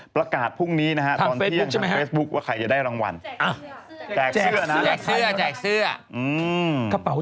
ประกาศพรุ่งนี้นะฮะ